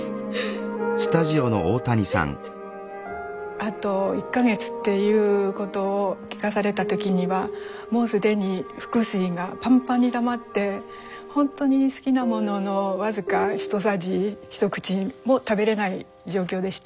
あと１か月っていうことを聞かされた時にはもう既に腹水がぱんぱんにたまってほんとに好きなものの僅か一さじ一口も食べれない状況でした。